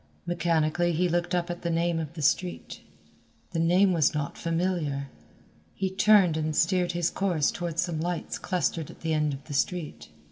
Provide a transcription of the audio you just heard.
Mechanically he looked up at the name of the street. The name was not familiar. He turned and steered his course toward some lights clustered at the end of the street.